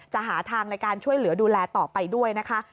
หาทางในการช่วยเหลือดูแลต่อไปด้วยนะคะ